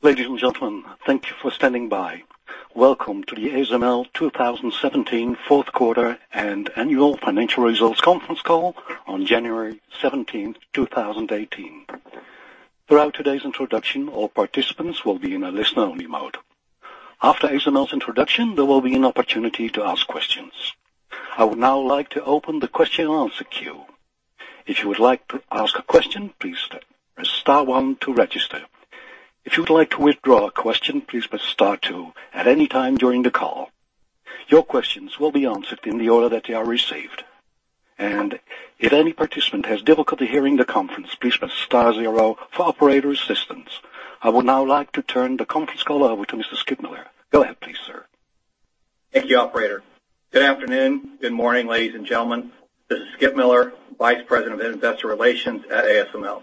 Ladies and gentlemen, thank you for standing by. Welcome to the ASML 2017 fourth quarter and annual financial results conference call on January 17th, 2018. Throughout today's introduction, all participants will be in a listen-only mode. After ASML's introduction, there will be an opportunity to ask questions. I would now like to open the question and answer queue. If you would like to ask a question, please press star one to register. If you would like to withdraw a question, please press star two at any time during the call. Your questions will be answered in the order that they are received. If any participant has difficulty hearing the conference, please press star zero for operator assistance. I would now like to turn the conference call over to Mr. Skip Miller. Go ahead, please, sir. Thank you, operator. Good afternoon, good morning, ladies and gentlemen. This is Skip Miller, Vice President of Investor Relations at ASML.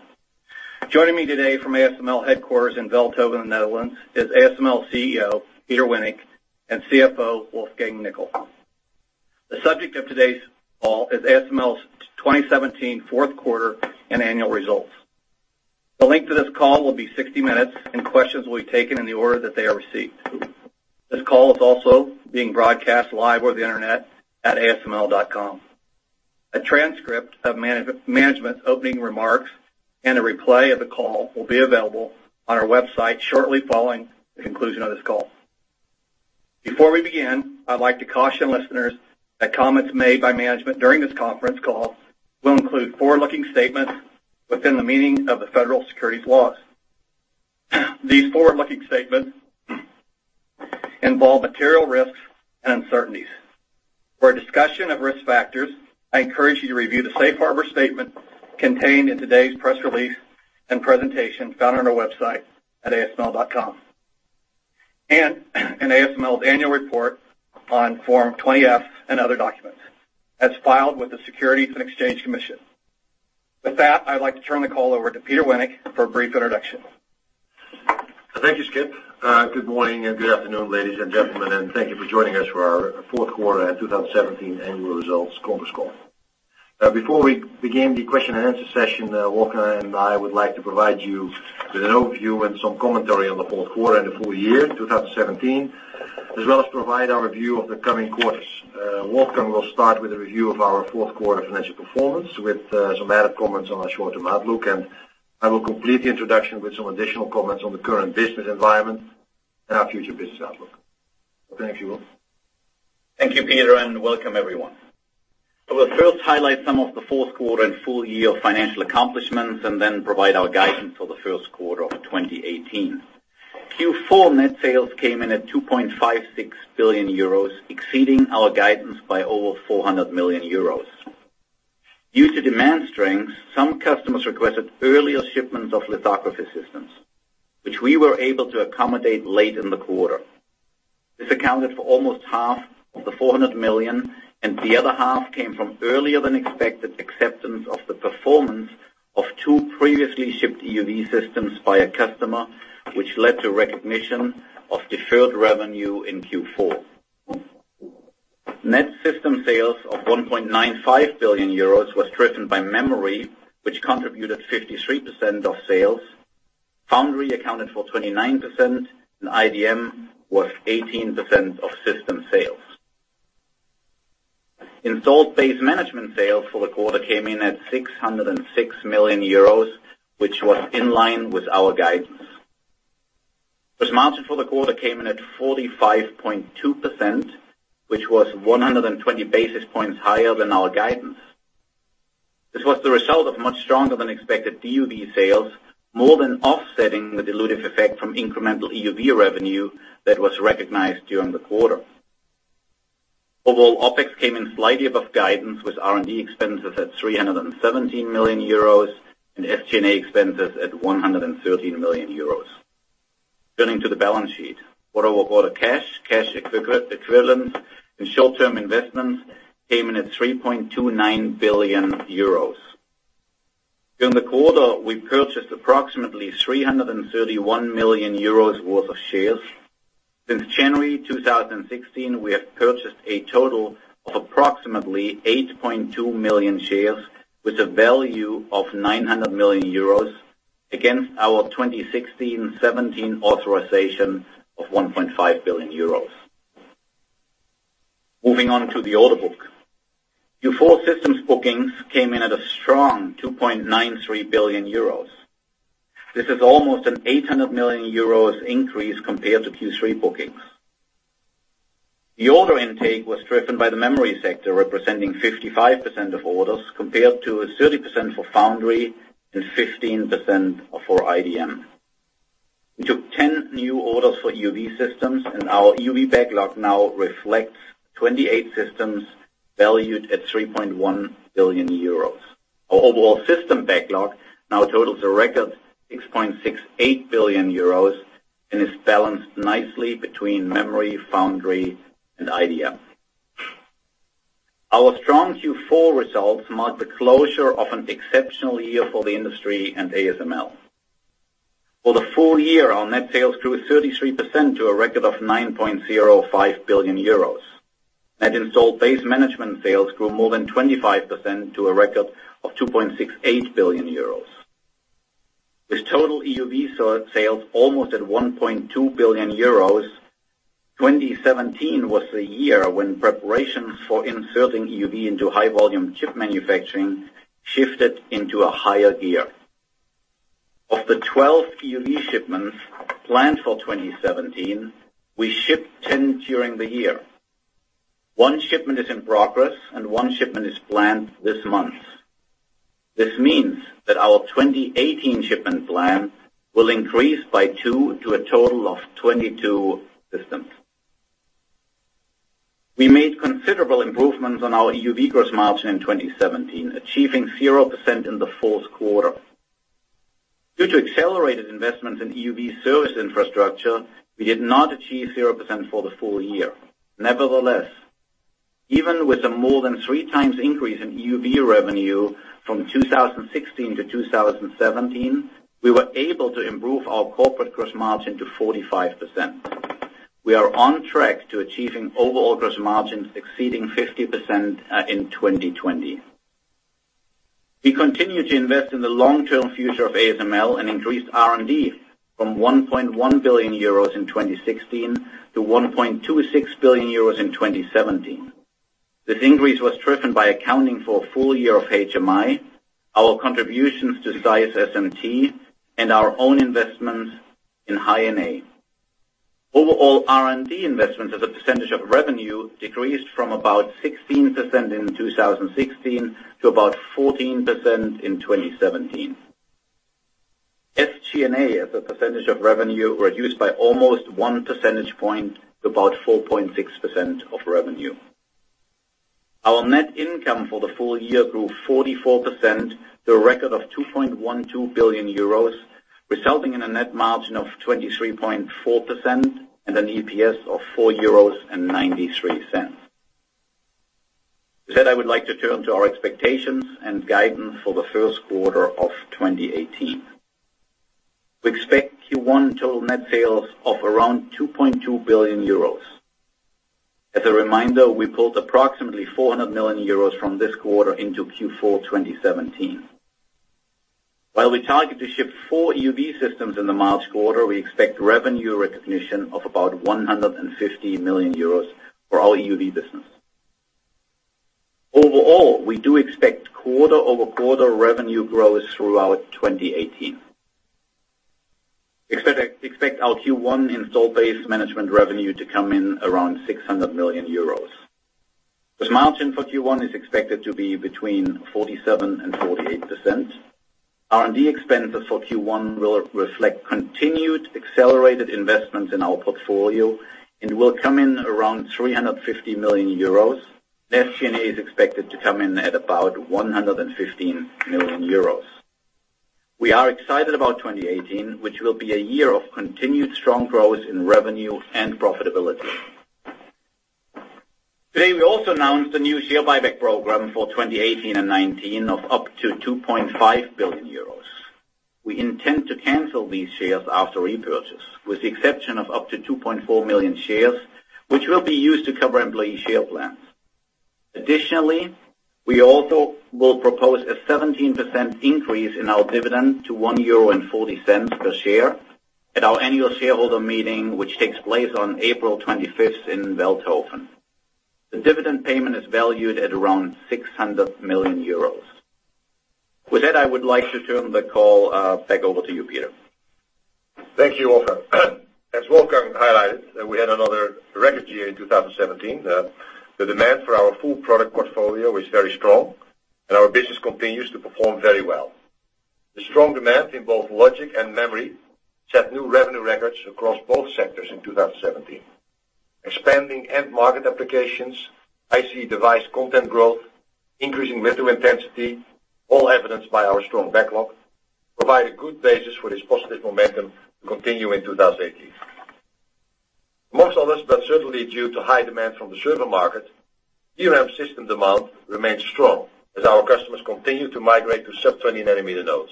Joining me today from ASML headquarters in Veldhoven, Netherlands, is ASML CEO, Peter Wennink, and CFO, Wolfgang Nickl. The subject of today's call is ASML's 2017 fourth quarter and annual results. The link to this call will be 60 minutes. Questions will be taken in the order that they are received. This call is also being broadcast live over the internet at asml.com. A transcript of management's opening remarks and a replay of the call will be available on our website shortly following the conclusion of this call. Before we begin, I'd like to caution listeners that comments made by management during this conference call will include forward-looking statements within the meaning of the federal securities laws. These forward-looking statements involve material risks and uncertainties. For a discussion of risk factors, I encourage you to review the safe harbor statement contained in today's press release and presentation found on our website at asml.com, in ASML's annual report on Form 20-F and other documents as filed with the Securities and Exchange Commission. With that, I'd like to turn the call over to Peter Wennink for a brief introduction. Thank you, Skip. Good morning and good afternoon, ladies and gentlemen, thank you for joining us for our fourth quarter and 2017 annual results conference call. Before we begin the question and answer session, Wolfgang and I would like to provide you with an overview and some commentary on the fourth quarter and the full year 2017, as well as provide our view of the coming quarters. Wolfgang will start with a review of our fourth quarter financial performance with some added comments on our short-term outlook. I will complete the introduction with some additional comments on the current business environment and our future business outlook. Thank you, Wolf. Thank you, Peter, and welcome everyone. I will first highlight some of the fourth quarter and full year financial accomplishments and then provide our guidance for the first quarter of 2018. Q4 net sales came in at €2.56 billion, exceeding our guidance by over €400 million. Due to demand strength, some customers requested earlier shipments of lithography systems, which we were able to accommodate late in the quarter. This accounted for almost half of the 400 million, the other half came from earlier than expected acceptance of the performance of two previously shipped EUV systems by a customer, which led to recognition of deferred revenue in Q4. Net system sales of €1.95 billion was driven by memory, which contributed 53% of sales. Foundry accounted for 29%, IDM was 18% of system sales. Installed base management sales for the quarter came in at €606 million, which was in line with our guidance. Gross margin for the quarter came in at 45.2%, which was 120 basis points higher than our guidance. This was the result of much stronger than expected DUV sales, more than offsetting the dilutive effect from incremental EUV revenue that was recognized during the quarter. Overall, OpEx came in slightly above guidance, with R&D expenses at €317 million and SG&A expenses at €113 million. Turning to the balance sheet. Quarter-over-quarter, cash equivalents and short-term investments came in at €3.29 billion. During the quarter, we purchased approximately €331 million worth of shares. Since January 2016, we have purchased a total of approximately 8.2 million shares with a value of €900 million against our 2016-2017 authorization of €1.5 billion. Moving on to the order book. Q4 systems bookings came in at a strong €2.93 billion. This is almost an €800 million increase compared to Q3 bookings. The order intake was driven by the memory sector, representing 55% of orders, compared to 30% for foundry and 15% for IDM. We took 10 new orders for EUV systems, and our EUV backlog now reflects 28 systems valued at €3.1 billion. Our overall system backlog now totals a record €6.68 billion and is balanced nicely between memory, foundry, and IDM. Our strong Q4 results mark the closure of an exceptional year for the industry and ASML. For the full year, our net sales grew 33% to a record of €9.05 billion. Net installed base management sales grew more than 25% to a record of €2.68 billion. With total EUV sales almost at €1.2 billion, 2017 was the year when preparations for inserting EUV into high-volume chip manufacturing shifted into a higher gear. Of the 12 EUV shipments planned for 2017, we shipped 10 during the year. One shipment is in progress, and one shipment is planned this month. This means that our 2018 shipment plan will increase by two to a total of 22 systems. We made considerable improvements on our EUV gross margin in 2017, achieving 0% in the fourth quarter. Due to accelerated investments in EUV service infrastructure, we did not achieve 0% for the full year. Nevertheless, even with a more than three times increase in EUV revenue from 2016 to 2017, we were able to improve our corporate gross margin to 45%. We are on track to achieving overall gross margins exceeding 50% in 2020. We continue to invest in the long-term future of ASML and increased R&D from €1.1 billion in 2016 to €1.26 billion in 2017. This increase was driven by accounting for a full year of HMI, our contributions to ZEISS SMT, and our own investments in High NA. Overall, R&D investments as a percentage of revenue decreased from about 16% in 2016 to about 14% in 2017. SG&A, as a percentage of revenue, reduced by almost one percentage point to about 4.6% of revenue. Our net income for the full year grew 44%, to a record of €2.12 billion, resulting in a net margin of 23.4% and an EPS of €4.93. With that, I would like to turn to our expectations and guidance for the first quarter of 2018. We expect Q1 total net sales of around €2.2 billion. As a reminder, we pulled approximately €400 million from this quarter into Q4 2017. While we target to ship four EUV systems in the March quarter, we expect revenue recognition of about €150 million for our EUV business. Overall, we do expect quarter-over-quarter revenue growth throughout 2018. Expect our Q1 installed base management revenue to come in around €600 million. Gross margin for Q1 is expected to be between 47% and 48%. R&D expenses for Q1 will reflect continued accelerated investments in our portfolio and will come in around €350 million. SG&A is expected to come in at about €115 million. We are excited about 2018, which will be a year of continued strong growth in revenue and profitability. Today, we also announced a new share buyback program for 2018 and 2019 of up to €2.5 billion. We intend to cancel these shares after repurchase, with the exception of up to 2.4 million shares, which will be used to cover employee share plans. Additionally, we also will propose a 17% increase in our dividend to €1.40 per share at our annual shareholder meeting, which takes place on April 25th in Veldhoven. The dividend payment is valued at around €600 million. With that, I would like to turn the call back over to you, Peter. Thank you, Wolfgang. As Wolfgang highlighted, we had another record year in 2017. The demand for our full product portfolio was very strong, and our business continues to perform very well. The strong demand in both logic and memory set new revenue records across both sectors in 2017. Expanding end market applications, IC device content growth, increasing litho intensity, all evidenced by our strong backlog, provide a good basis for this positive momentum to continue in 2018. Most of us, but certainly due to high demand from the server market, DRAM system demand remains strong as our customers continue to migrate to sub-20 nanometer nodes.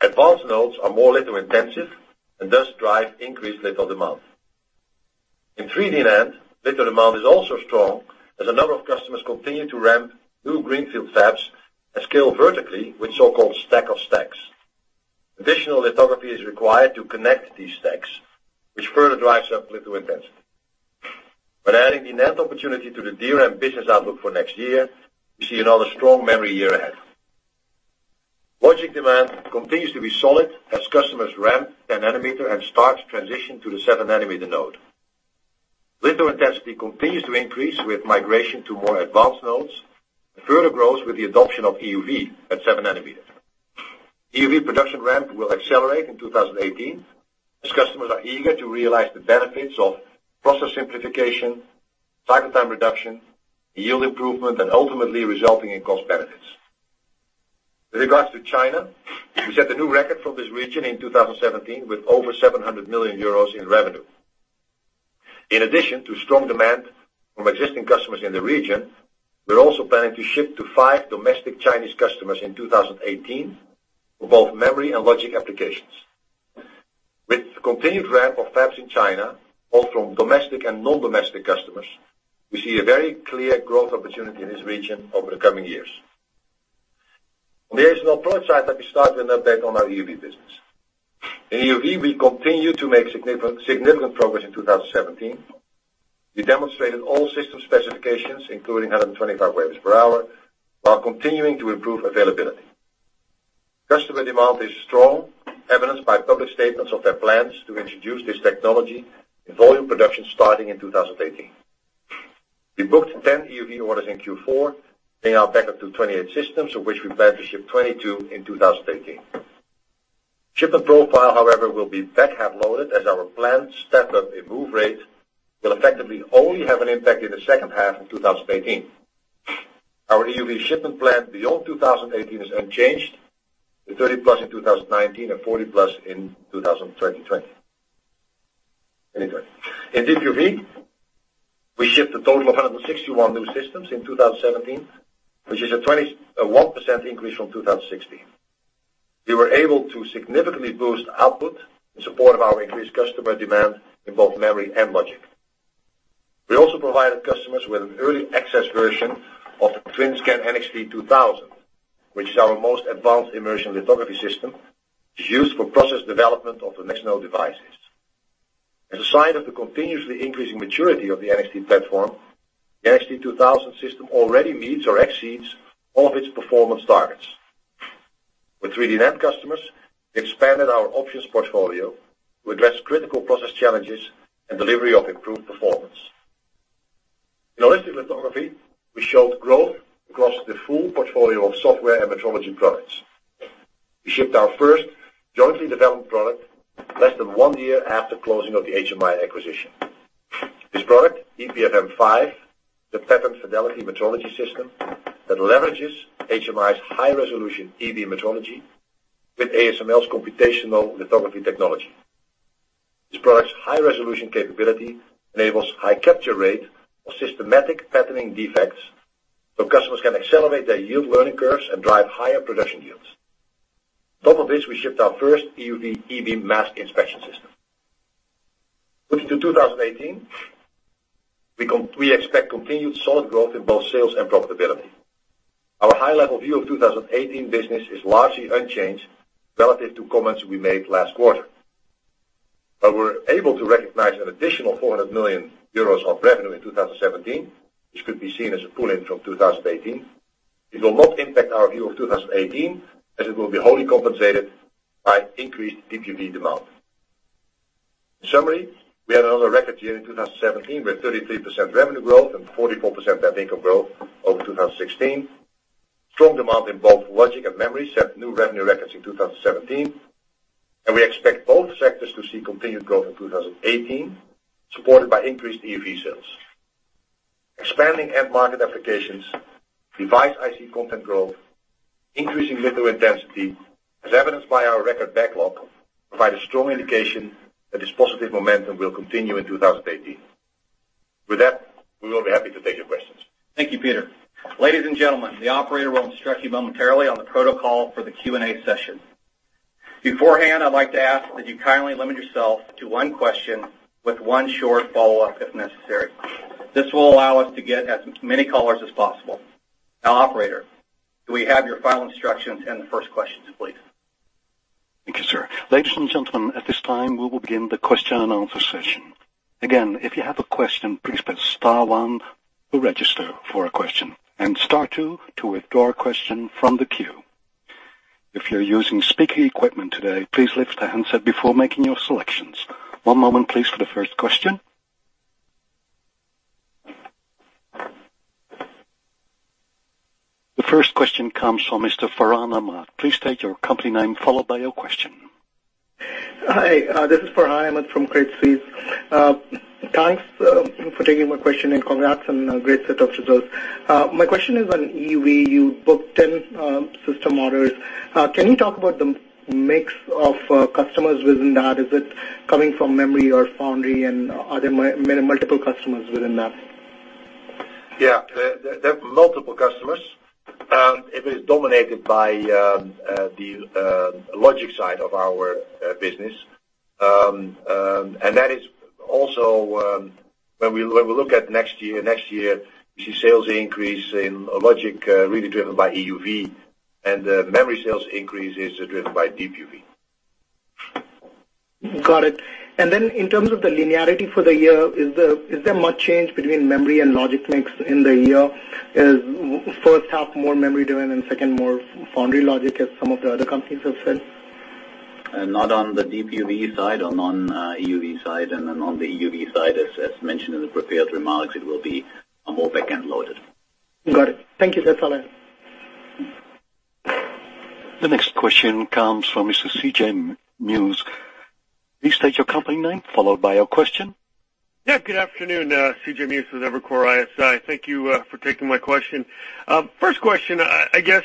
Advanced nodes are more litho intensive and thus drive increased litho demand. In 3D NAND, litho demand is also strong as a number of customers continue to ramp new greenfield fabs and scale vertically with so-called stack of stacks. Additional lithography is required to connect these stacks, which further drives up litho intensity. By adding the NAND opportunity to the DRAM business outlook for next year, we see another strong memory year ahead. Logic demand continues to be solid as customers ramp nanometer and start to transition to the 7-nanometer node. Litho intensity continues to increase with migration to more advanced nodes and further grows with the adoption of EUV at 7 nanometers. EUV production ramp will accelerate in 2018 as customers are eager to realize the benefits of process simplification, cycle time reduction, yield improvement, and ultimately resulting in cost benefits. With regards to China, we set a new record for this region in 2017 with over €700 million in revenue. In addition to strong demand from existing customers in the region, we are also planning to ship to five domestic Chinese customers in 2018 for both memory and logic applications. The continued ramp of fabs in China, both from domestic and non-domestic customers, we see a very clear growth opportunity in this region over the coming years. On the ASML product side, let me start with an update on our EUV business. In EUV, we continued to make significant progress in 2017. We demonstrated all system specifications, including 125 wafers per hour, while continuing to improve availability. Customer demand is strong, evidenced by public statements of their plans to introduce this technology in volume production starting in 2018. We booked 10 EUV orders in Q4. They now back up to 28 systems, of which we plan to ship 22 in 2018. Shipment profile, however, will be back-half loaded as our planned step-up in move rate will effectively only have an impact in the second half of 2018. Our EUV shipment plan beyond 2018 is unchanged, with 30-plus in 2019 and 40-plus in 2020/2021. Anyway. In DUV, we shipped a total of 161 new systems in 2017, which is a 21% increase from 2016. We were able to significantly boost output in support of our increased customer demand in both memory and logic. We also provided customers with an early access version of the TWINSCAN NXT:2000i, which is our most advanced immersion lithography system, which is used for process development of the next node devices. As a sign of the continuously increasing maturity of the NXT platform, the NXT:2000i system already meets or exceeds all of its performance targets. With 3D NAND customers, we expanded our options portfolio to address critical process challenges and delivery of improved performance. In holistic lithography, we showed growth across the full portfolio of software and metrology products. We shipped our first jointly developed product less than one year after closing of the HMI acquisition. This product, ePfm5, the pattern fidelity metrology system that leverages HMI's high-resolution EUV metrology with ASML's computational lithography technology. This product's high-resolution capability enables high capture rate of systematic patterning defects so customers can accelerate their yield learning curves and drive higher production yields. On top of this, we shipped our first EUV EB mask inspection system. Looking to 2018, we expect continued solid growth in both sales and profitability. Our high-level view of 2018 business is largely unchanged relative to comments we made last quarter. We're able to recognize an additional 400 million euros of revenue in 2017, which could be seen as a pull-in from 2018. It will not impact our view of 2018, as it will be wholly compensated by increased DUV demand. In summary, we had another record year in 2017 with 33% revenue growth and 44% net income growth over 2016. Strong demand in both logic and memory set new revenue records in 2017, and we expect both sectors to see continued growth in 2018, supported by increased EUV sales. Expanding end-market applications, device IC content growth, increasing litho intensity, as evidenced by our record backlog, provide a strong indication that this positive momentum will continue in 2018. With that, we will be happy to take your questions. Thank you, Peter. Ladies and gentlemen, the operator will instruct you momentarily on the protocol for the Q&A session. Beforehand, I'd like to ask that you kindly limit yourself to one question with one short follow-up if necessary. This will allow us to get as many callers as possible. Now, operator, do we have your final instructions and the first questions, please? Thank you, sir. Ladies and gentlemen, at this time, we will begin the question and answer session. Again, if you have a question, please press star 1 to register for a question, and star 2 to withdraw a question from the queue. If you're using speaker equipment today, please lift the handset before making your selections. One moment, please, for the first question. The first question comes from Mr. Farhan Ahmad. Please state your company name followed by your question. Hi. This is Farhan Ahmad from Credit Suisse. Thanks for taking my question, congrats on a great set of results. My question is on EUV. You booked 10 system orders. Can you talk about the mix of customers within that? Is it coming from memory or foundry, and are there multiple customers within that? Yeah. There are multiple customers. It is dominated by the logic side of our business. That is also, when we look at next year, we see sales increase in logic really driven by EUV, and memory sales increase is driven by DUV. Got it. In terms of the linearity for the year, is there much change between memory and logic mix in the year? Is first half more memory-driven and second more foundry logic, as some of the other companies have said? Not on the DUV side or non-EUV side. On the EUV side, as mentioned in the prepared remarks, it will be more back-end loaded. Got it. Thank you. That's all I have. The next question comes from Mr. C.J. Muse. Please state your company name, followed by your question. Good afternoon. C.J. Muse with Evercore ISI. Thank you for taking my question. First question, I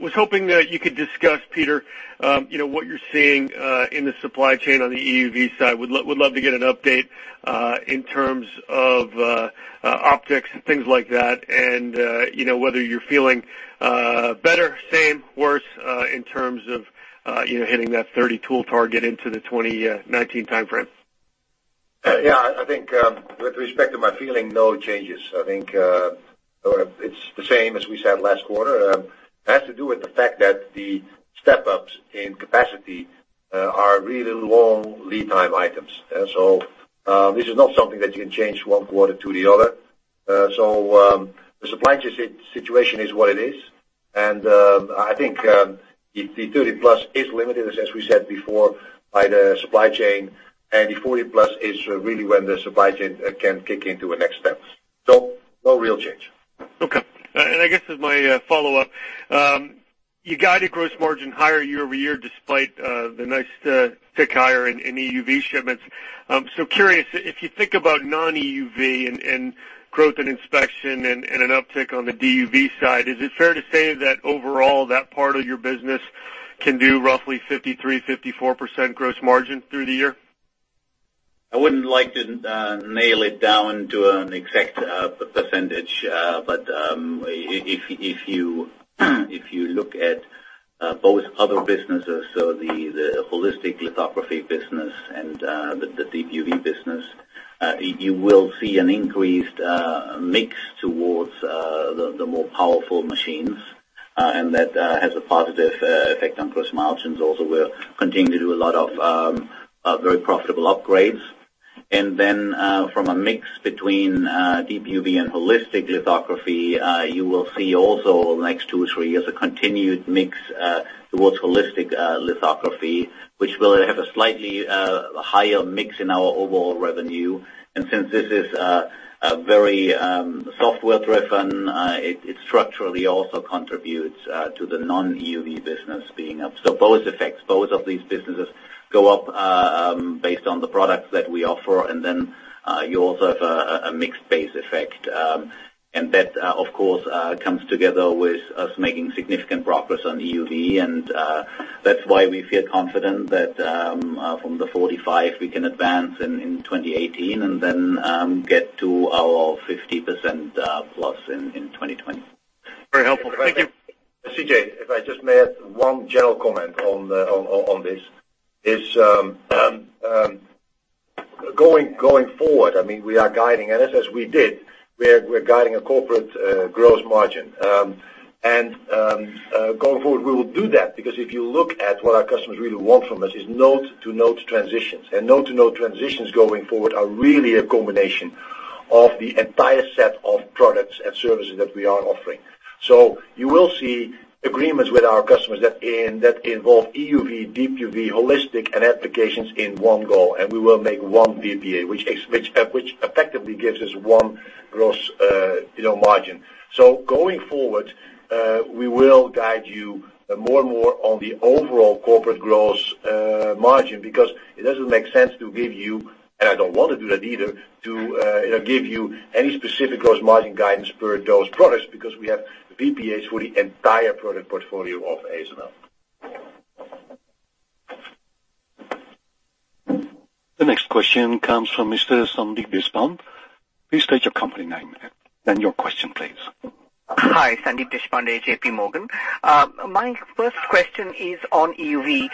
was hoping that you could discuss, Peter, what you're seeing in the supply chain on the EUV side. Would love to get an update in terms of optics and things like that, and whether you're feeling better, same, worse in terms of hitting that 30 tool target into the 2019 timeframe. I think with respect to my feeling, no changes. I think it's the same as we said last quarter. It has to do with the fact that the step-ups in capacity are really long lead time items. This is not something that you can change one quarter to the other. The supply situation is what it is, and, I think, the 30 plus is limited, as we said before, by the supply chain, and the 40 plus is really when the supply chain can kick into the next step. No real change. Okay. I guess as my follow-up, you guided gross margin higher year-over-year despite the nice tick higher in EUV shipments. Curious, if you think about non-EUV and growth and inspection and an uptick on the DUV side, is it fair to say that overall that part of your business can do roughly 53%-54% gross margin through the year? I wouldn't like to nail it down to an exact percentage. If you look at both other businesses, so the holistic lithography business and the DUV business, you will see an increased mix towards the more powerful machines, and that has a positive effect on gross margins. Also, we're continuing to do a lot of very profitable upgrades. From a mix between Deep UV and holistic lithography, you will see also next two, three years, a continued mix towards holistic lithography, which will have a slightly higher mix in our overall revenue. Since this is very software-driven, it structurally also contributes to the non-EUV business being up. Both effects, both of these businesses go up based on the products that we offer. You also have a mix-based effect. That, of course, comes together with us making significant progress on EUV, and, that's why we feel confident that from the 45, we can advance in 2018 and then get to our 50%+ in 2020. Very helpful. Thank you. C.J., if I just may add one general comment on this, is going forward, we are guiding, and as we did, we're guiding a corporate gross margin. Going forward, we will do that because if you look at what our customers really want from us is node-to-node transitions. Node-to-node transitions going forward are really a combination of the entire set of products and services that we are offering. You will see agreements with our customers that involve EUV, DUV, holistic, and applications in one go. We will make one PPA, which effectively gives us one gross margin. Going forward, we will guide you more and more on the overall corporate gross margin because it doesn't make sense to give you, and I don't want to do that either, to give you any specific gross margin guidance per those products, because we have PPAs for the entire product portfolio of ASML. The next question comes from Mr. Sandeep Deshpande. Please state your company name and your question, please. Hi, Sandeep Deshpande, J.P. Morgan. My first question is on EUV.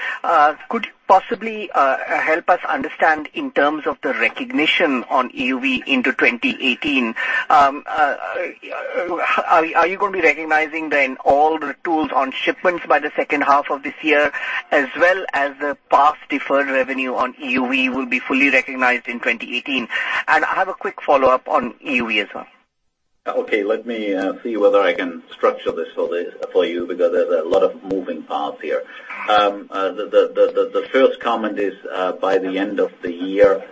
Could you possibly help us understand in terms of the recognition on EUV into 2018? Are you going to be recognizing then all the tools on shipments by the second half of this year, as well as the past deferred revenue on EUV will be fully recognized in 2018? I have a quick follow-up on EUV as well. Okay. Let me see whether I can structure this for you because there's a lot of moving parts here. The first comment is, by the end of the year,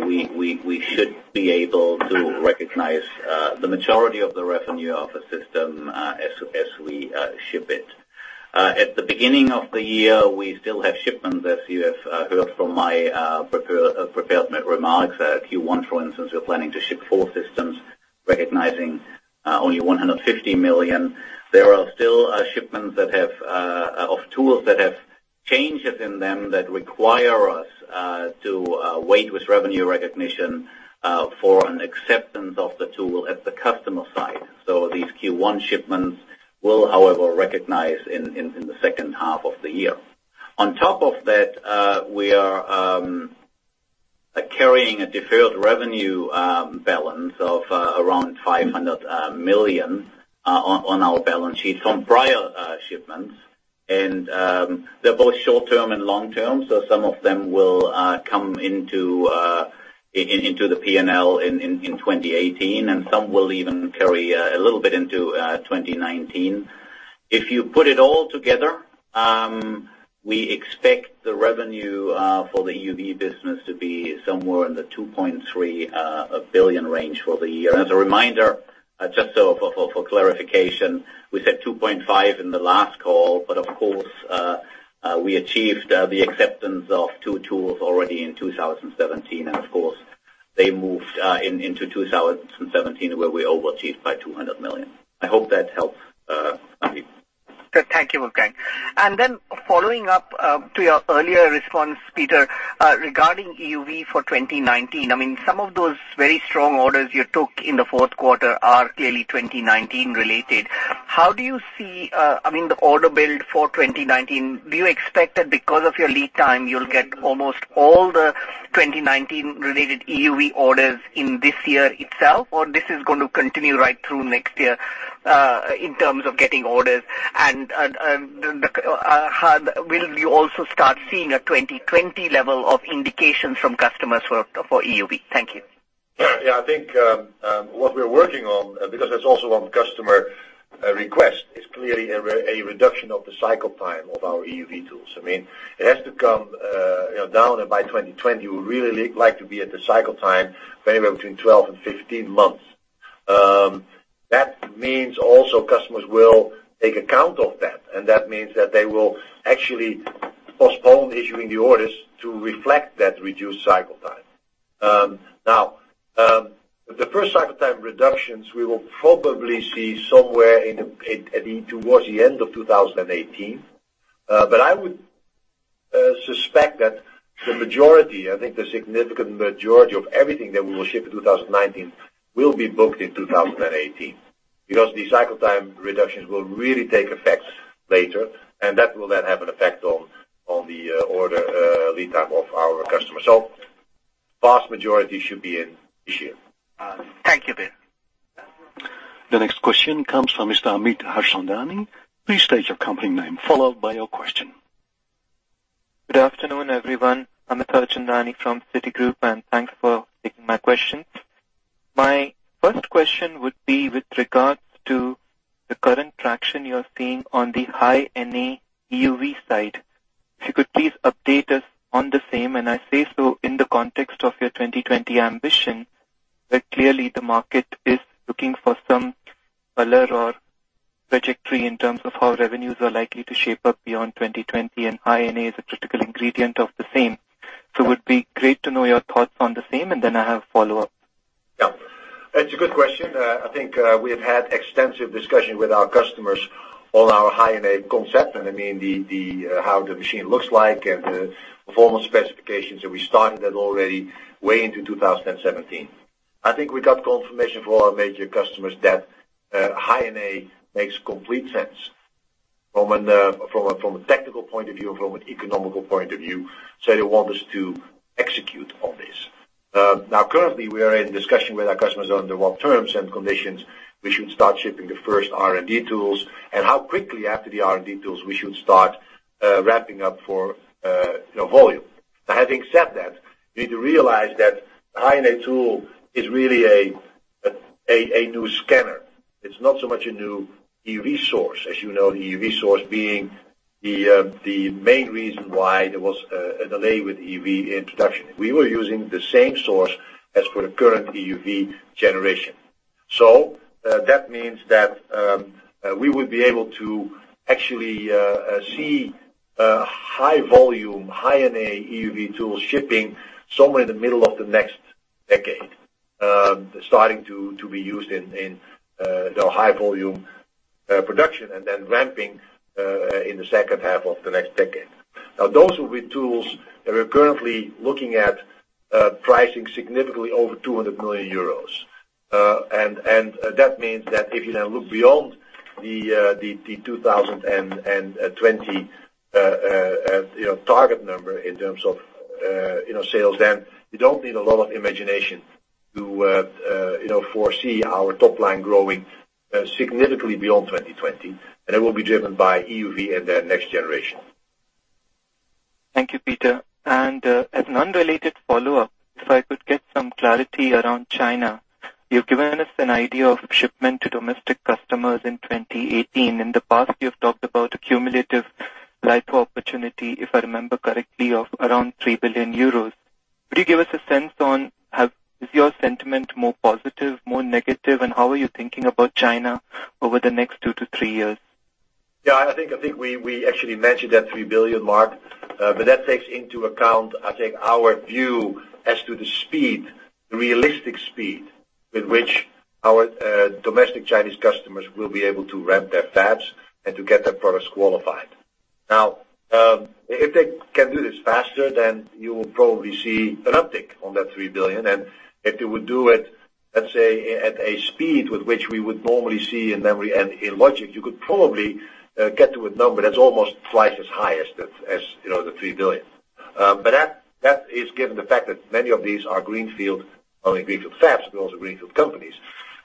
we should be able to recognize the majority of the revenue of a system as we ship it. At the beginning of the year, we still have shipments, as you have heard from my prepared remarks. Q1, for instance, we're planning to ship four systems, recognizing only 150 million. There are still shipments of tools that have changes in them that require us to wait with revenue recognition for an acceptance of the tool at the customer site. These Q1 shipments will, however, recognize in the second half of the year. On top of that, we are carrying a deferred revenue balance of around 500 million on our balance sheet from prior shipments. They're both short-term and long-term, so some of them will come into the P&L in 2018, some will even carry a little bit into 2019. If you put it all together, we expect the revenue for the EUV business to be somewhere in the 2.3 billion range for the year. As a reminder, just for clarification, we said 2.5 in the last call, but of course, we achieved the acceptance of two tools already in 2017. Of course, they moved into 2017, where we overachieved by 200 million. I hope that helps. Thank you, Wolfgang. Then following up to your earlier response, Peter, regarding EUV for 2019. Some of those very strong orders you took in the fourth quarter are clearly 2019 related. How do you see the order build for 2019? Do you expect that because of your lead time, you'll get almost all the 2019 related EUV orders in this year itself? Or this is going to continue right through next year, in terms of getting orders. Will you also start seeing a 2020 level of indications from customers for EUV? Thank you. I think, what we're working on, because that's also on customer request, is clearly a reduction of the cycle time of our EUV tools. It has to come down, by 2020, we would really like to be at the cycle time of anywhere between 12 and 15 months. That means also customers will take account of that means that they will actually postpone issuing the orders to reflect that reduced cycle time. The first cycle time reductions, we will probably see somewhere towards the end of 2018. I would suspect that the majority, I think the significant majority of everything that we will ship in 2019 will be booked in 2018. The cycle time reductions will really take effect later, that will then have an effect on the order lead time of our customers. Vast majority should be in this year. Thank you, Peter. The next question comes from Mr. Amit Daryanani. Please state your company name followed by your question. Good afternoon, everyone. Amit Daryanani from Citigroup, thanks for taking my questions. My first question would be with regards to the current traction you're seeing on the High-NA EUV side. If you could please update us on the same, and I say so in the context of your 2020 ambition, where clearly the market is looking for some color or trajectory in terms of how revenues are likely to shape up beyond 2020, and High-NA is a critical ingredient of the same. It would be great to know your thoughts on the same, and then I have a follow-up. Yeah. It's a good question. I think we've had extensive discussion with our customers on our High-NA concept, and how the machine looks like, and the formal specifications, and we started that already way into 2017. I think we got confirmation from all our major customers that High-NA makes complete sense from a technical point of view, from an economical point of view. They want us to execute on this. Currently, we are in discussion with our customers under what terms and conditions we should start shipping the first R&D tools, and how quickly after the R&D tools we should start ramping up for volume. Having said that, we need to realize that the High-NA tool is really a new scanner. It's not so much a new EUV source. As you know, the EUV source being the main reason why there was a delay with EUV introduction. We were using the same source as for the current EUV generation. That means that we would be able to actually see high volume, High-NA EUV tools shipping somewhere in the middle of the next decade. Starting to be used in the high volume production and then ramping in the second half of the next decade. Those will be tools that we're currently looking at pricing significantly over 200 million euros. That means that if you now look beyond the 2020 target number in terms of sales, you don't need a lot of imagination to foresee our top line growing significantly beyond 2020, and it will be driven by EUV and then next generation. Thank you, Peter. As an unrelated follow-up, if I could get some clarity around China. You've given us an idea of shipment to domestic customers in 2018. In the past, you've talked about a cumulative write-off opportunity, if I remember correctly, of around 3 billion euros. Could you give us a sense on, is your sentiment more positive, more negative, and how are you thinking about China over the next two to three years? I think we actually mentioned that 3 billion mark. That takes into account, I think our view as to the speed, the realistic speed with which our domestic Chinese customers will be able to ramp their fabs and to get their products qualified. If they can do this faster, you will probably see an uptick on that 3 billion. If they would do it, let's say, at a speed with which we would normally see in memory and in logic, you could probably get to a number that's almost twice as high as the 3 billion. That is given the fact that many of these are greenfield fabs, but also greenfield companies.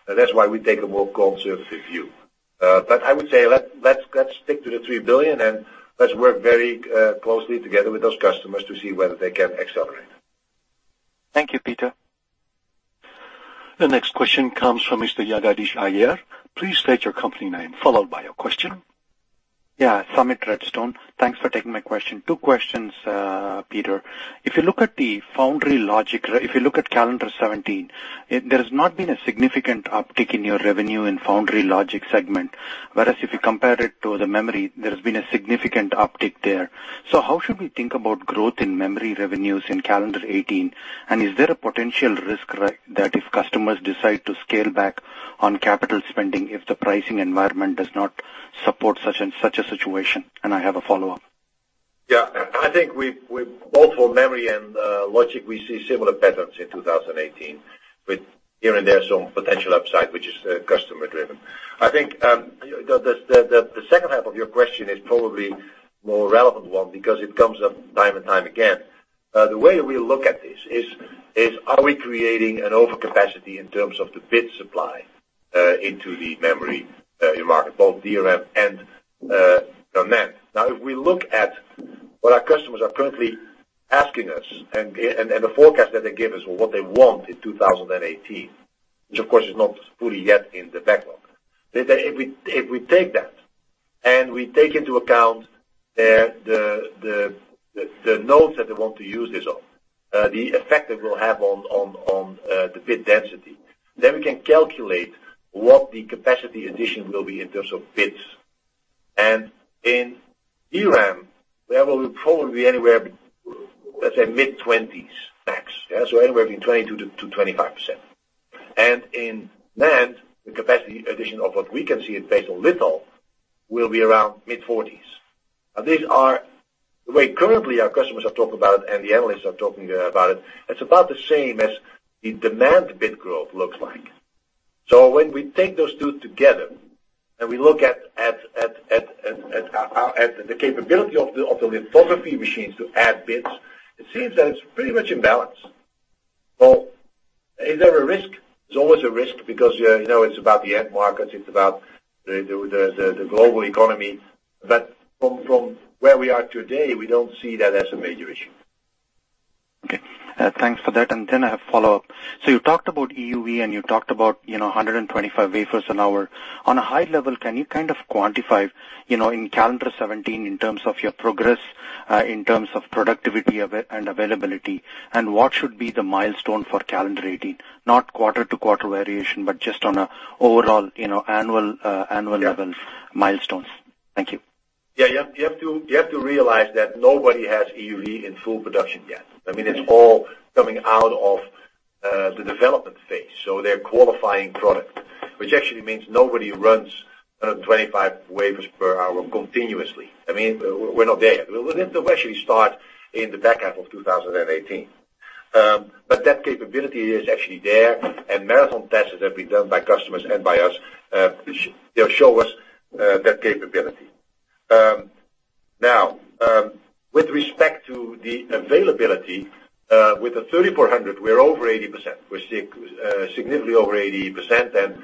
That's why we take a more conservative view. I would say let's stick to the 3 billion and let's work very closely together with those customers to see whether they can accelerate. Thank you, Peter. The next question comes from Mr. Jagadish Iyer. Please state your company name followed by your question. Summit Redstone. Thanks for taking my question. Two questions, Peter. If you look at the foundry logic, if you look at calendar 2017, there has not been a significant uptick in your revenue in foundry logic segment. Whereas if you compare it to the memory, there has been a significant uptick there. How should we think about growth in memory revenues in calendar 2018? Is there a potential risk that if customers decide to scale back on capital spending if the pricing environment does not support such a situation? I have a follow-up. I think both for memory and logic, we see similar patterns in 2018, with here and there some potential upside, which is customer driven. I think the second half of your question is probably more relevant one because it comes up time and time again. The way we look at this is, are we creating an overcapacity in terms of the bit supply, into the memory market, both DRAM and NAND. If we look at what our customers are currently asking us and the forecast that they give us what they want in 2018, which of course is not fully yet in the backlog. If we take that, and we take into account the nodes that they want to use this on, the effect it will have on the bit density, we can calculate what the capacity addition will be in terms of bits. In DRAM, we have probably anywhere, let's say mid-20s max. Anywhere between 22%-25%. In NAND, the capacity addition of what we can see is based on litho, will be around mid-40s. The way currently our customers are talking about it and the analysts are talking about it's about the same as the demand bit growth looks like. When we take those two together and we look at the capability of the lithography machines to add bits, it seems that it's pretty much in balance. Is there a risk? There's always a risk because it's about the end markets, it's about the global economy. From where we are today, we don't see that as a major issue. Thanks for that. I have follow-up. You talked about EUV and you talked about 125 wafers an hour. On a high level, can you kind of quantify, in calendar 2017, in terms of your progress, in terms of productivity and availability, and what should be the milestone for calendar 2018, not quarter-to-quarter variation, but just on an overall annual level milestones? Thank you. You have to realize that nobody has EUV in full production yet. It's all coming out of the development phase. They're qualifying product, which actually means nobody runs 125 wafers per hour continuously. We're not there. We'll eventually start in the back half of 2018. That capability is actually there, and marathon tests that have been done by customers and by us, they'll show us that capability. With respect to the availability, with the 3,400, we're over 80%. We're significantly over 80%, and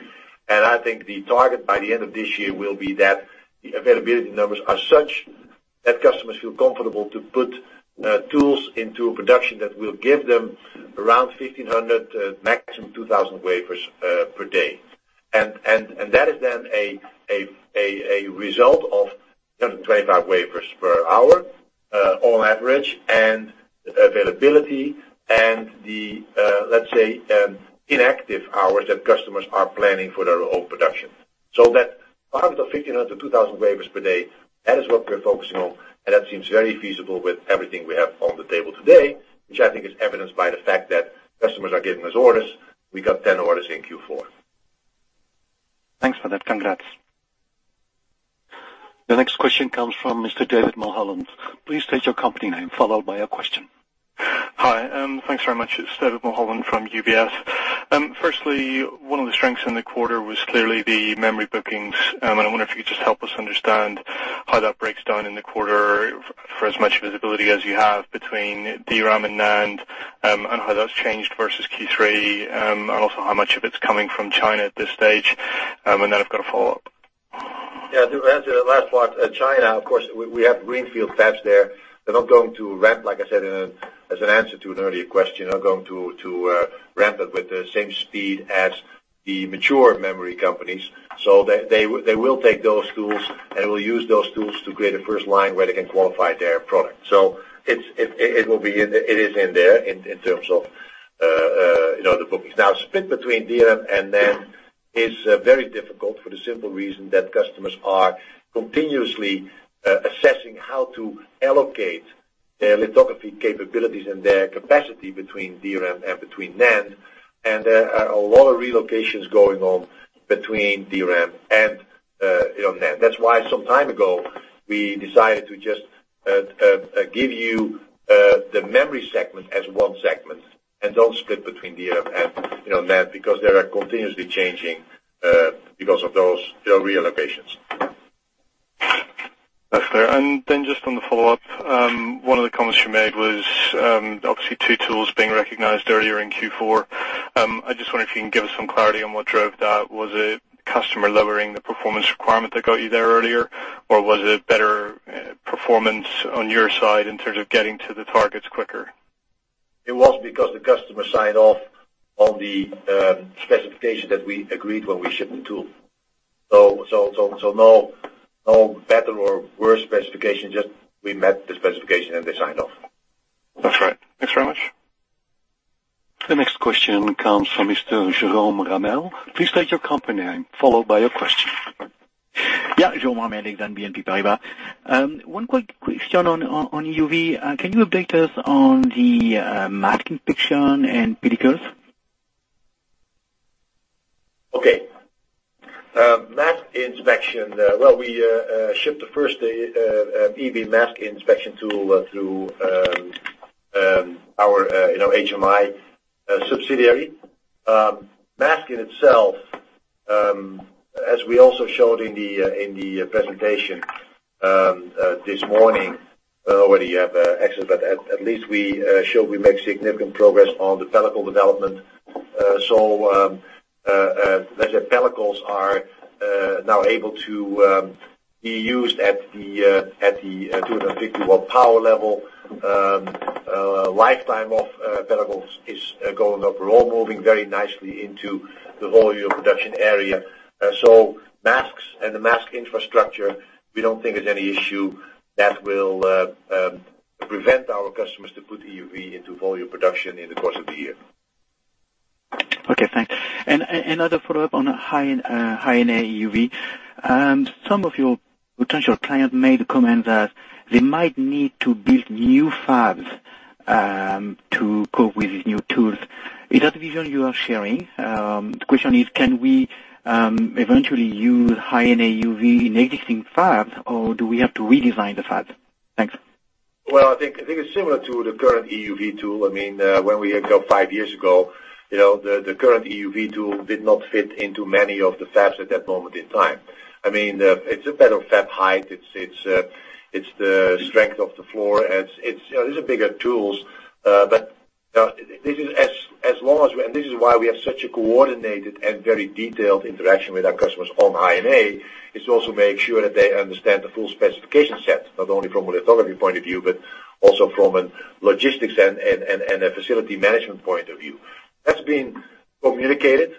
I think the target by the end of this year will be that the availability numbers are such that customers feel comfortable to put tools into a production that will give them around 1,500 to maximum 2,000 wafers per day. That is then a result of 125 wafers per hour, on average, and availability and the, let's say, inactive hours that customers are planning for their own production. That 1,500 to 2,000 wafers per day, that is what we're focusing on, and that seems very feasible with everything we have on the table today, which I think is evidenced by the fact that customers are giving us orders. We got 10 orders in Q4. Thanks for that. Congrats. The next question comes from Mr. David Mulholland. Please state your company name, followed by your question. Hi. Thanks very much. It's David Mulholland from UBS. Firstly, one of the strengths in the quarter was clearly the memory bookings. I wonder if you could just help us understand how that breaks down in the quarter for as much visibility as you have between DRAM and NAND, how that's changed versus Q3, also how much of it's coming from China at this stage. I've got a follow-up. Yeah. To answer the last part, China, of course, we have greenfield fabs there. They're not going to ramp, like I said, as an answer to an earlier question, are going to ramp it with the same speed as the mature memory companies. They will take those tools and will use those tools to create a first line where they can qualify their product. It is in there in terms of the bookings. Split between DRAM and NAND is very difficult for the simple reason that customers are continuously assessing how to allocate their lithography capabilities and their capacity between DRAM and between NAND. There are a lot of relocations going on between DRAM and NAND. That's why some time ago, we decided to just give you the memory segment as one segment and don't split between DRAM and NAND because they are continuously changing, because of those relocations. That's clear. Just on the follow-up, one of the comments you made was, obviously two tools being recognized earlier in Q4. I just wonder if you can give us some clarity on what drove that. Was it customer lowering the performance requirement that got you there earlier? Or was it better performance on your side in terms of getting to the targets quicker? It was because the customer signed off on the specification that we agreed when we shipped the tool. No better or worse specification, just we met the specification, and they signed off. That's right. Thanks very much. The next question comes from Mr. Jerome Ramel. Please state your company name, followed by your question. Yeah, Jerome Ramel with BNP Paribas. One quick question on EUV. Can you update us on the mask inspection and pellicles? inspection. Well, we shipped the first EUV mask inspection tool through our HMI subsidiary. Mask in itself, as we also showed in the presentation this morning, already have access, but at least we showed we make significant progress on the pellicle development. Let's say pellicles are now able to be used at the 250-watt power level. Lifetime of pellicles is going up. We're all moving very nicely into the volume production area. Masks and the mask infrastructure, we don't think there's any issue that will prevent our customers to put EUV into volume production in the course of the year. Okay, thanks. Another follow-up on High NA EUV. Some of your potential clients made a comment that they might need to build new fabs to cope with these new tools. Is that the vision you are sharing? The question is, can we eventually use High NA EUV in existing fabs, or do we have to redesign the fabs? Thanks. Well, I think it's similar to the current EUV tool. When we had five years ago, the current EUV tool did not fit into many of the fabs at that moment in time. It's a better fab height. It's the strength of the floor. These are bigger tools. This is why we have such a coordinated and very detailed interaction with our customers on High NA, is to also make sure that they understand the full specification set, not only from a lithography point of view, but also from a logistics and a facility management point of view. That's been communicated,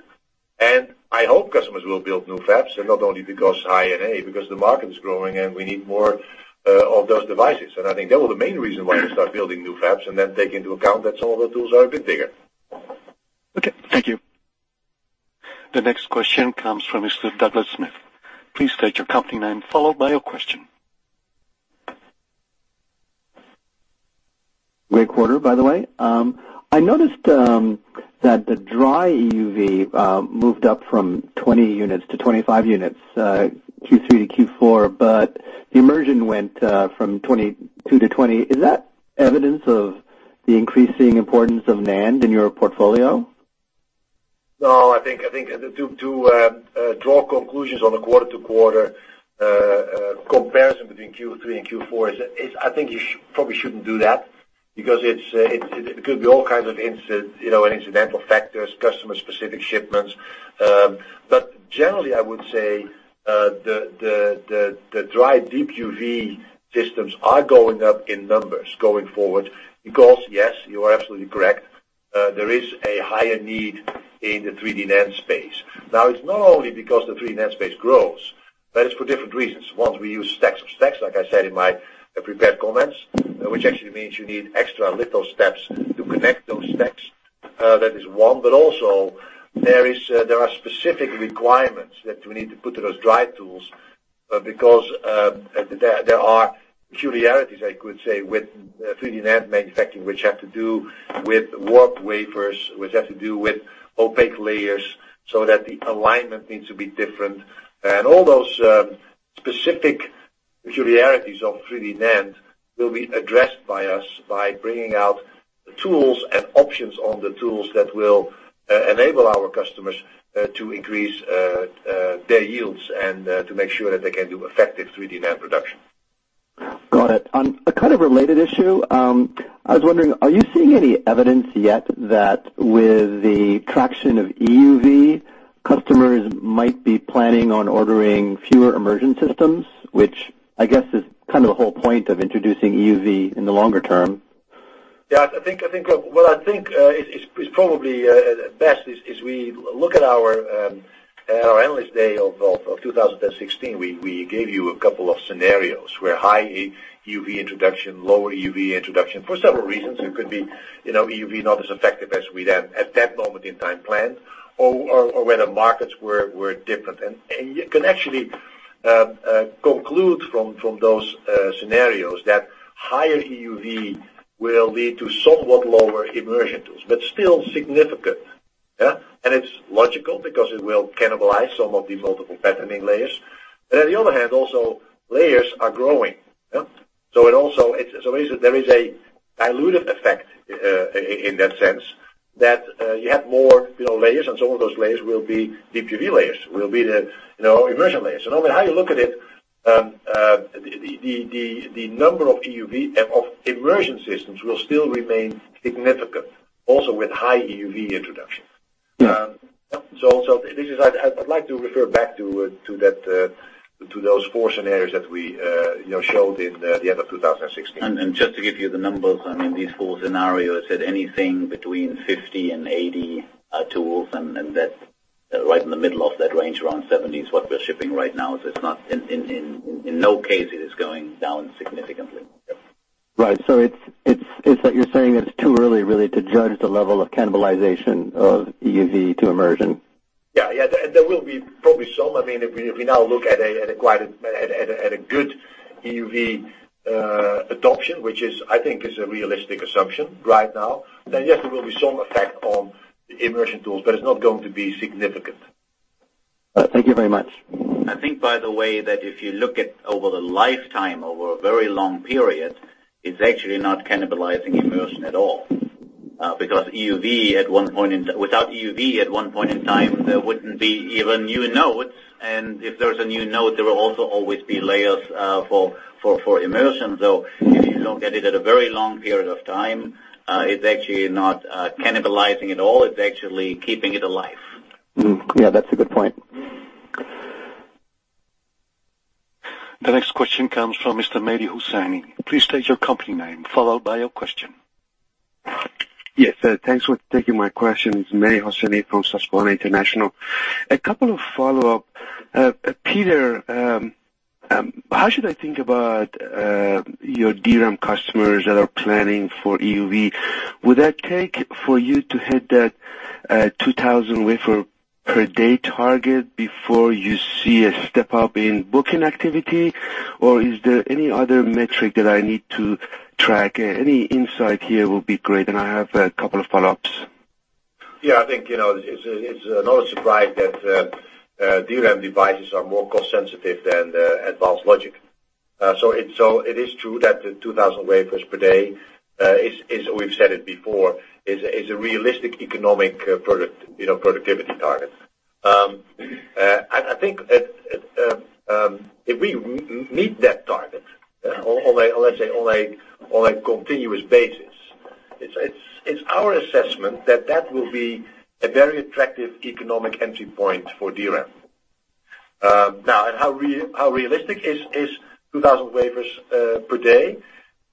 I hope customers will build new fabs, not only because High NA, because the market is growing, we need more of those devices. I think that was the main reason why you start building new fabs and then take into account that some of the tools are a bit bigger. Okay. Thank you. The next question comes from Mr. Douglas Smith. Please state your company name, followed by your question. Great quarter, by the way. I noticed that the dry EUV moved up from 20 units to 25 units, Q3 to Q4, but the immersion went from 22 to 20. Is that evidence of the increasing importance of NAND in your portfolio? No, I think to draw conclusions on a quarter-to-quarter comparison between Q3 and Q4, I think you probably shouldn't do that, because it could be all kinds of incidental factors, customer-specific shipments. Generally, I would say the dry Deep UV systems are going up in numbers going forward because, yes, you are absolutely correct, there is a higher need in the 3D NAND space. Now, it's not only because the 3D NAND space grows, but it's for different reasons. Once we use stacks of stacks, like I said in my prepared comments, which actually means you need extra litho steps to connect those stacks. That is one. Also, there are specific requirements that we need to put to those dry tools because there are peculiarities, I could say, with 3D NAND manufacturing, which have to do with warped wafers, which have to do with opaque layers, so that the alignment needs to be different. All those specific peculiarities of 3D NAND will be addressed by us by bringing out the tools and options on the tools that will enable our customers to increase their yields and to make sure that they can do effective 3D NAND production. Got it. On a kind of related issue, I was wondering, are you seeing any evidence yet that with the traction of EUV, customers might be planning on ordering fewer immersion systems, which I guess is kind of the whole point of introducing EUV in the longer term? Yeah. What I think is probably best is we look at our analyst day of 2016. We gave you a couple of scenarios where high EUV introduction, lower EUV introduction, for several reasons. It could be EUV not as effective as we then, at that moment in time, planned, or where the markets were different. You can actually conclude from those scenarios that higher EUV will lead to somewhat lower immersion tools, but still significant. Yeah? It's logical because it will cannibalize some of the multiple patterning layers. On the other hand, also, layers are growing. Yeah. There is a dilutive effect in that sense that you have more layers, and some of those layers will be Deep UV layers, will be the immersion layers. No matter how you look at it, the number of immersion systems will still remain significant, also with high EUV introduction. Yeah. Also, I'd like to refer back to those four scenarios that we showed in the end of 2016. Just to give you the numbers on these four scenarios, at anything between 50 and 80 tools, and that right in the middle of that range, around 70 is what we're shipping right now. In no case it is going down significantly. Right. It's like you're saying it's too early, really, to judge the level of cannibalization of EUV to immersion. There will be probably some. If we now look at a quite a good EUV adoption, which I think is a realistic assumption right now. Yes, there will be some effect on immersion tools, but it's not going to be significant. Thank you very much. I think, by the way, that if you look at over the lifetime, over a very long period, it's actually not cannibalizing immersion at all. Without EUV, at one point in time, there wouldn't be even new nodes, and if there's a new node, there will also always be layers, for immersion, though. If you look at it at a very long period of time, it's actually not cannibalizing at all. It's actually keeping it alive. That's a good point. The next question comes from Mr. Mehdi Hosseini. Please state your company name, followed by your question. Yes. Thanks for taking my questions. Mehdi Hosseini from Susquehanna International. A couple of follow-up. Peter, how should I think about your DRAM customers that are planning for EUV? Would that take for you to hit that 2,000 wafers per day target before you see a step-up in booking activity? Or is there any other metric that I need to track? Any insight here will be great. I have a couple of follow-ups. Yeah, I think, it's not a surprise that DRAM devices are more cost sensitive than advanced logic. It is true that the 2,000 wafers per day, we've said it before, is a realistic economic productivity target. I think if we meet that target on, let's say, a continuous basis, it's our assessment that that will be a very attractive economic entry point for DRAM. How realistic is 2,000 wafers per day?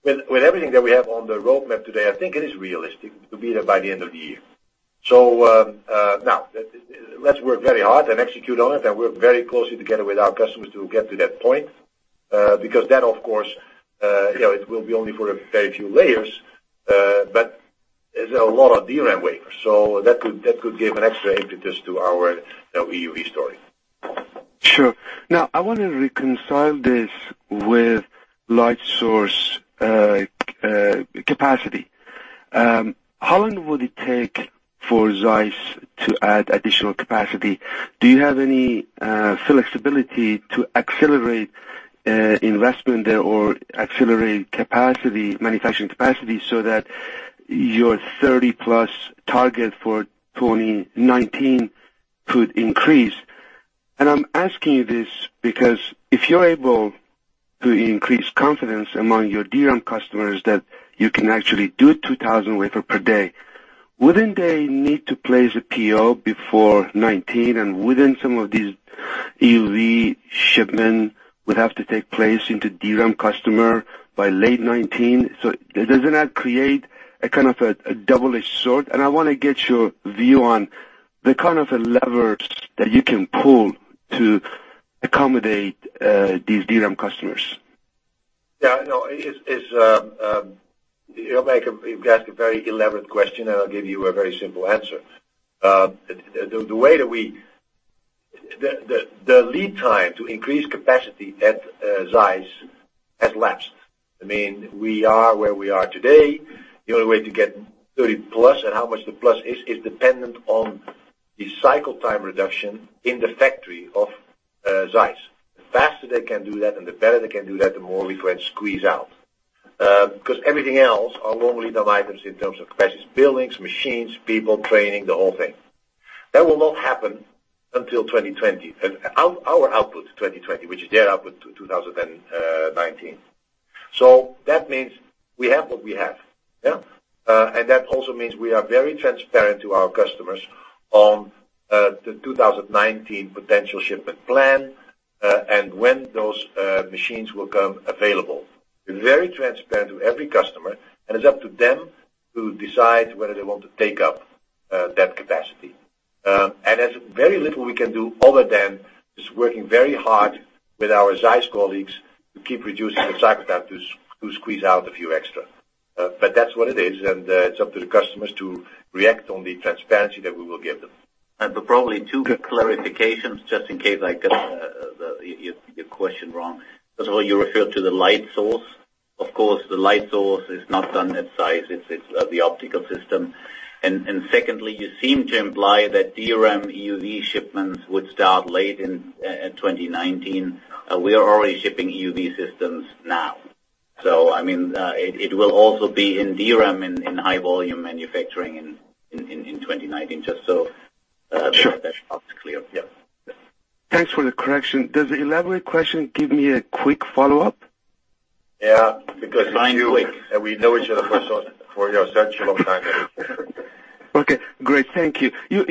With everything that we have on the roadmap today, I think it is realistic to be there by the end of the year. Let's work very hard and execute on it and work very closely together with our customers to get to that point. That, of course, it will be only for a very few layers, but there's a lot of DRAM wafers. That could give an extra impetus to our EUV story. Sure. I want to reconcile this with light source capacity. How long would it take for ZEISS to add additional capacity? Do you have any flexibility to accelerate investment there or accelerate capacity, manufacturing capacity, so that your 30-plus target for 2019 could increase? I'm asking you this because if you're able to increase confidence among your DRAM customers that you can actually do 2,000 wafers per day, wouldn't they need to place a PO before 2019, and wouldn't some of these EUV shipments would have to take place into DRAM customer by late 2019? Does that not create a kind of a double-edged sword? I want to get your view on the kind of levers that you can pull to accommodate these DRAM customers. You've asked a very elaborate question. I'll give you a very simple answer. The lead time to increase capacity at ZEISS has lapsed. We are where we are today. The only way to get 30-plus, and how much the plus is dependent on the cycle time reduction in the factory of ZEISS. The faster they can do that and the better they can do that, the more leeway squeeze out. Everything else are long lead items in terms of capacities, buildings, machines, people, training, the whole thing. That will not happen until 2020. Our output is 2020, which is their output to 2019. That means we have what we have. That also means we are very transparent to our customers on the 2019 potential shipment plan, and when those machines will become available. We're very transparent to every customer. It's up to them to decide whether they want to take up that capacity. There's very little we can do other than just working very hard with our ZEISS colleagues to keep reducing the cycle time to squeeze out a few extra. That's what it is. It's up to the customers to react on the transparency that we will give them. Probably two clarifications, just in case I got your question wrong. First of all, you referred to the light source. Of course, the light source is not done at ZEISS. It's the optical system. Secondly, you seem to imply that DRAM EUV shipments would start late in 2019. We are already shipping EUV systems now. It will also be in DRAM in high volume manufacturing in 2019. Sure. That's clear. Thanks for the correction. Does the elaborate question give me a quick follow-up? Yeah. Quick. We know each other for such a long time. Okay, great. Thank you. You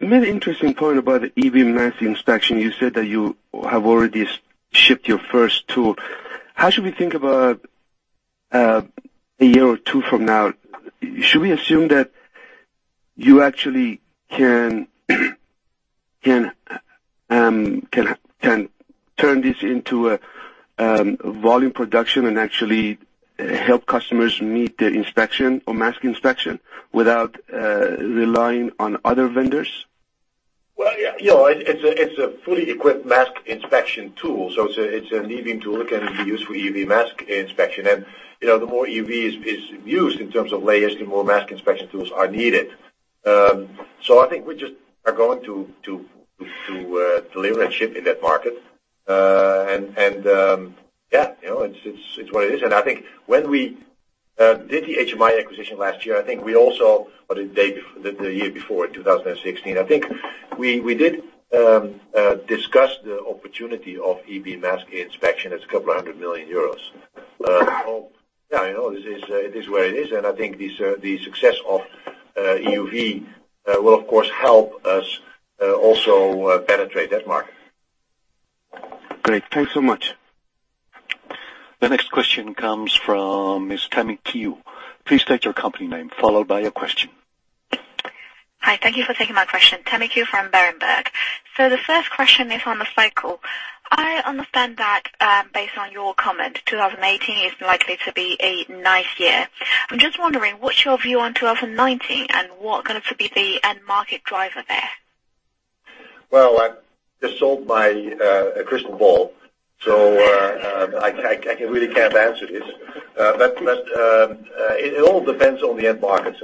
made an interesting point about EUV mask inspection. You said that you have already shipped your first tool. How should we think about a year or two from now? Should we assume that you actually can turn this into a volume production and actually help customers meet their inspection or mask inspection without relying on other vendors? Well, it's a fully equipped mask inspection tool, it's an EUV tool that can be used for EUV mask inspection. The more EUV is used in terms of layers, the more mask inspection tools are needed. I think we just are going to deliver and ship in that market. Yeah, it's what it is. I think when we did the HMI acquisition last year, I think we also or the year before in 2016, I think we did discuss the opportunity of EUV mask inspection. It's a couple of hundred million EUR. It is what it is, and I think the success of EUV will, of course, help us also penetrate that market. Great. Thanks so much. The next question comes from Miss Tammy Qiu. Please state your company name, followed by your question. Hi. Thank you for taking my question. Tammy Qiu from Berenberg. The first question is on the cycle. I understand that, based on your comment, 2018 is likely to be a nice year. I'm just wondering, what's your view on 2019, and what kind of could be the end market driver there? Well, I just sold my crystal ball, so I really can't answer this. It all depends on the end markets.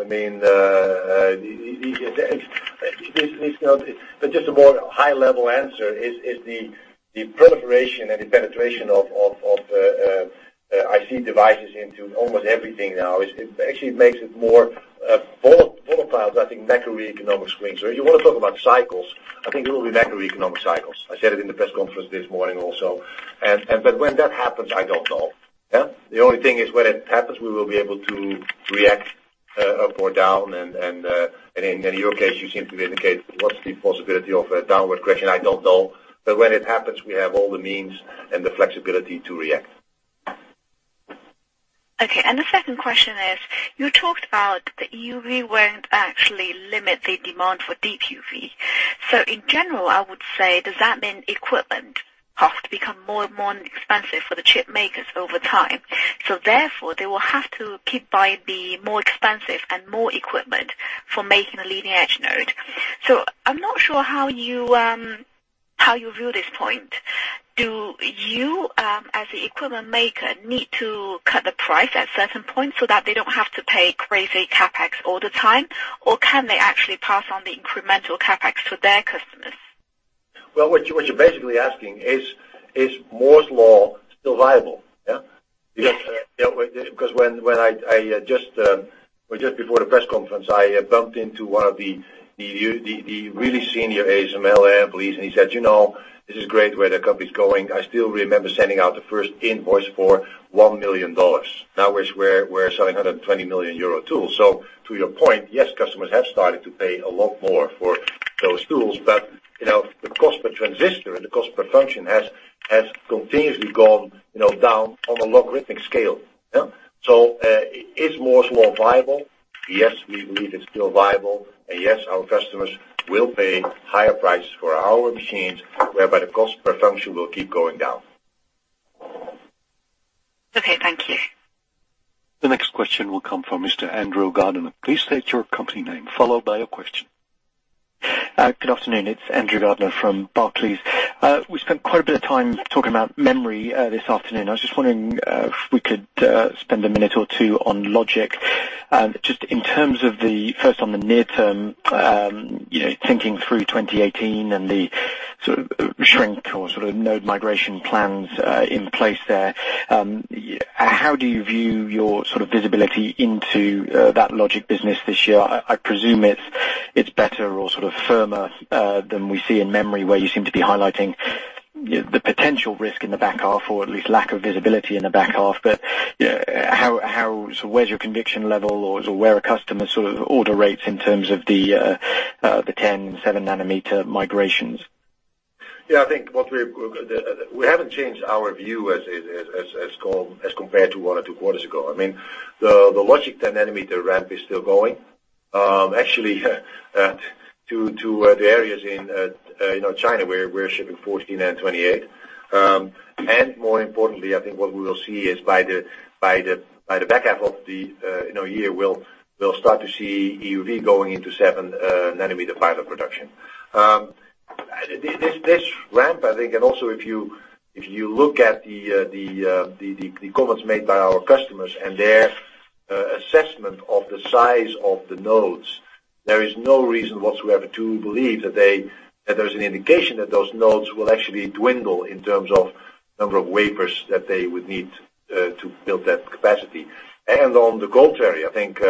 Just a more high-level answer is the proliferation and the penetration of IC devices into almost everything now. Actually, it makes it more volatile, I think, macroeconomic swings. You want to talk about cycles, I think it will be macroeconomic cycles. I said it in the press conference this morning also. When that happens, I don't know. The only thing is when it happens, we will be able to react up or down. In your case, you seem to indicate what's the possibility of a downward correction. I don't know. When it happens, we have all the means and the flexibility to react. Okay. The second question is: You talked about the EUV won't actually limit the demand for Deep UV. In general, I would say, does that mean equipment have to become more and more expensive for the chip makers over time? Therefore, they will have to keep buying the more expensive and more equipment for making a leading-edge node. I'm not sure how you view this point. Do you, as the equipment maker, need to cut the price at certain points so that they don't have to pay crazy CapEx all the time? Or can they actually pass on the incremental CapEx to their customers? Well, what you're basically asking is: Is Moore's Law still viable, yeah? Yes. Just before the press conference, I bumped into one of the really senior ASML employees, and he said, "You know, this is great where the company's going." I still remember sending out the first invoice for EUR 1 million. Now we're selling 120 million euro tools. To your point, yes, customers have started to pay a lot more for those tools. The cost per transistor and the cost per function has continuously gone down on a logarithmic scale. Is Moore's Law viable? Yes, we believe it's still viable. Yes, our customers will pay higher prices for our machines, whereby the cost per function will keep going down. Okay, thank you. The next question will come from Mr. Andrew Gardiner. Please state your company name, followed by your question. Good afternoon. It's Andrew Gardiner from Barclays. We spent quite a bit of time talking about memory this afternoon. I was just wondering if we could spend a minute or two on logic. Just in terms of first, on the near term, thinking through 2018 and the sort of shrink or sort of node migration plans in place there. How do you view your sort of visibility into that logic business this year? I presume it's better or sort of firmer than we see in memory, where you seem to be highlighting the potential risk in the back half, or at least lack of visibility in the back half. Where's your conviction level or where are customers sort of order rates in terms of the 10- and seven-nanometer migrations? Yeah, I think we haven't changed our view as compared to one or two quarters ago. The logic 10-nanometer ramp is still going. Actually to the areas in China, where we're shipping 14 and 28. More importantly, I think what we will see is by the back half of the year, we'll start to see EUV going into seven-nanometer pilot production. This ramp, I think, and also if you look at the comments made by our customers and their assessment of the size of the nodes, there is no reason whatsoever to believe that there's an indication that those nodes will actually dwindle in terms of number of wafers that they would need to build that capacity. On the contrary, I think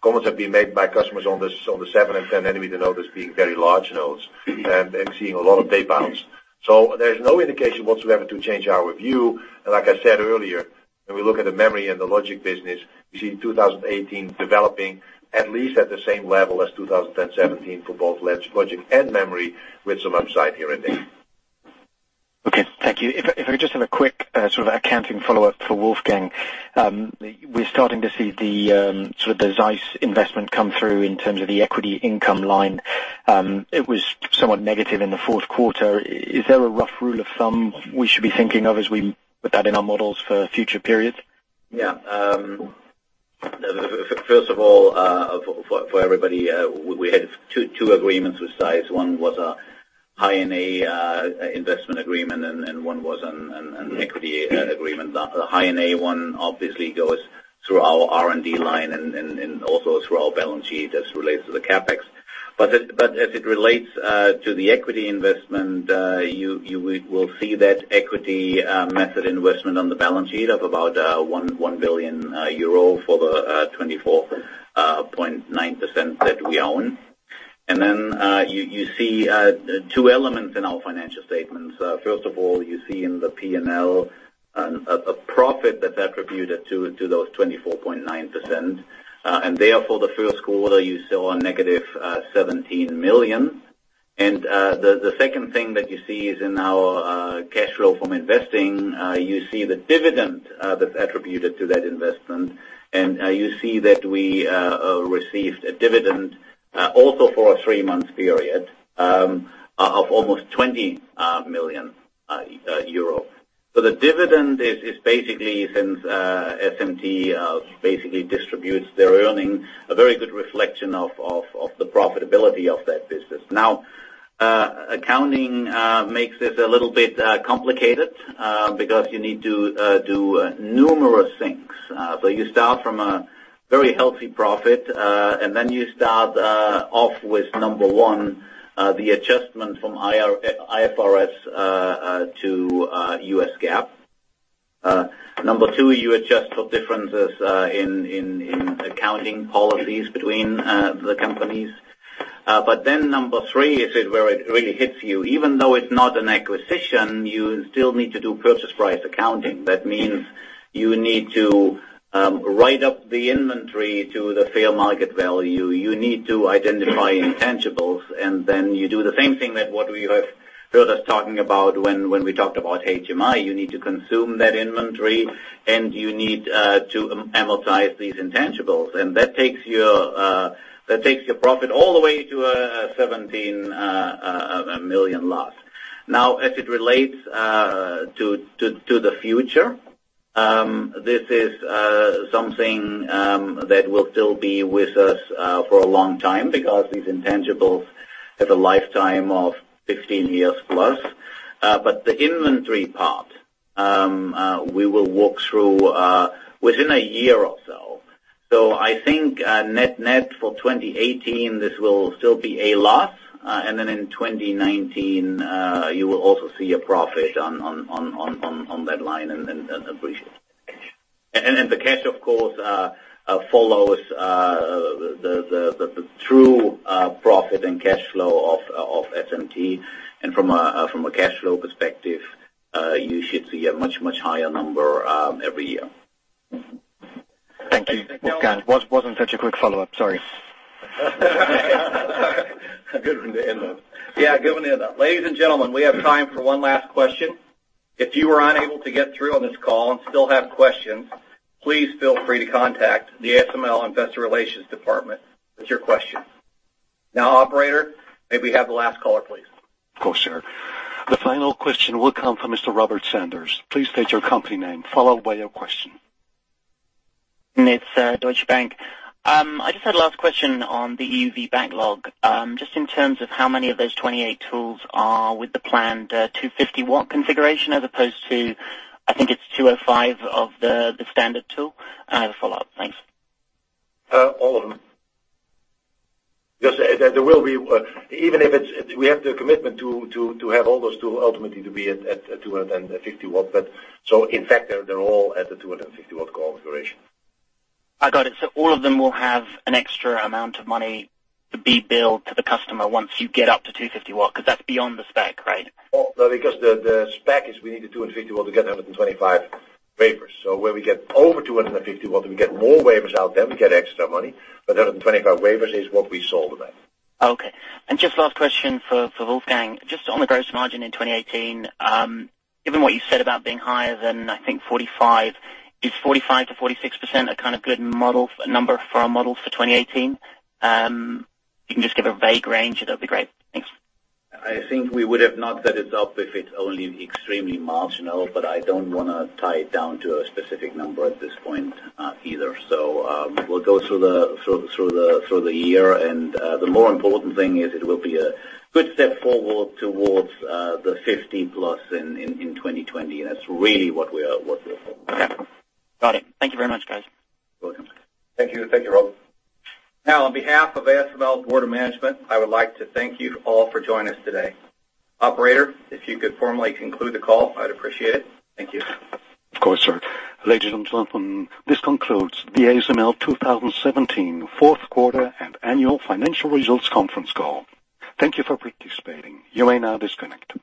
comments have been made by customers on the seven and 10-nanometer nodes being very large nodes and seeing a lot of pay downs. There's no indication whatsoever to change our view. Like I said earlier, when we look at the memory and the logic business, we see 2018 developing at least at the same level as 2017 for both logic and memory, with some upside here and there. Okay, thank you. If I could just have a quick sort of accounting follow-up for Wolfgang. We're starting to see the sort of the ZEISS investment come through in terms of the equity income line. It was somewhat negative in the fourth quarter. Is there a rough rule of thumb we should be thinking of as we put that in our models for future periods? Yeah. First of all, for everybody, we had two agreements with ZEISS. One was a high investment agreement and one was an equity agreement. The high one obviously goes through our R&D line and also through our balance sheet as it relates to the CapEx. As it relates to the equity investment, you will see that equity method investment on the balance sheet of about 1 billion euro for the 24.9% that we own. Then you see two elements in our financial statements. First of all, you see in the P&L a profit that's attributed to those 24.9%, and therefore, the first quarter, you saw a negative 17 million. The second thing that you see is in our cash flow from investing, you see the dividend that's attributed to that investment. You see that we received a dividend, also for a three-month period, of almost 20 million euro. The dividend is basically, since SMT basically distributes their earnings, a very good reflection of the profitability of that business. Now, accounting makes this a little bit complicated, because you need to do numerous things. You start from a very healthy profit, and then you start off with, number 1, the adjustment from IFRS to US GAAP. Number 2, you adjust for differences in accounting policies between the companies. Number 3 is where it really hits you. Even though it's not an acquisition, you still need to do Purchase Price Accounting. That means you need to write up the inventory to the fair market value. You need to identify intangibles. Then you do the same thing that what you have heard us talking about when we talked about HMI. You need to consume that inventory, and you need to amortize these intangibles. That takes your profit all the way to a 17 million loss. As it relates to the future, this is something that will still be with us for a long time because these intangibles have a lifetime of 15 years plus. The inventory part, we will walk through within a year or so. I think net for 2018, this will still be a loss. Then in 2019, you will also see a profit on that line. Appreciate. The cash, of course, follows the true profit and cash flow of SMT. From a cash flow perspective, you should see a much, much higher number every year. Thank you, Wolfgang. Wasn't such a quick follow-up, sorry. A good one to end on. A good one to end on. Ladies and gentlemen, we have time for one last question. If you were unable to get through on this call and still have questions, please feel free to contact the ASML Investor Relations department with your questions. Operator, may we have the last caller, please? Of course, sir. The final question will come from Mr. Robert Sanders. Please state your company name, followed by your question. It's Deutsche Bank. I just had a last question on the EUV backlog. Just in terms of how many of those 28 tools are with the planned 250-watt configuration as opposed to, I think it's 205 of the standard tool? I have a follow-up. Thanks. All of them. We have the commitment to have all those tools ultimately to be at 250 watts. In fact, they're all at the 250-watt configuration. I got it. All of them will have an extra amount of money to be billed to the customer once you get up to 250 watt, because that's beyond the spec, right? Because the spec is we need the 250 watt to get 125 waivers. Where we get over 250 watt, we get more wafers out there, we get extra money. 125 waivers is what we sold at. Okay. Just last question for Wolfgang, just on the gross margin in 2018. Given what you said about being higher than, I think, 45%, is 45%-46% a kind of good number for our models for 2018? If you can just give a vague range, that'd be great. Thanks. I think we would have not set it up if it's only extremely marginal, but I don't want to tie it down to a specific number at this point either. We'll go through the year. The more important thing is it will be a good step forward towards the 50 plus in 2020. That's really what we're hoping for. Okay. Got it. Thank you very much, guys. You're welcome. Thank you. Thank you, Robert. On behalf of ASML Board of Management, I would like to thank you all for joining us today. Operator, if you could formally conclude the call, I'd appreciate it. Thank you. Of course, sir. Ladies and gentlemen, this concludes the ASML 2017 fourth quarter and annual financial results conference call. Thank you for participating. You may now disconnect.